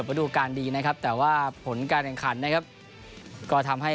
ระดูการดีนะครับแต่ว่าผลการแข่งขันนะครับก็ทำให้